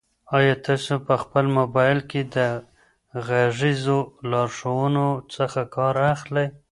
آیا تاسو په خپل موبایل کې د غږیزو لارښوونو څخه کار اخلئ؟